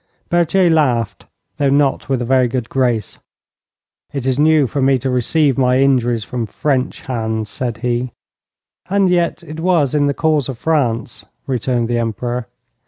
Berthier laughed, though not with a very good grace. 'It is new for me to receive my injuries from French hands,' said he. 'And yet it was in the cause of France,' returned the Emperor.